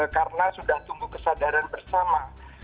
karena sudah tumbuh kesadaran bersama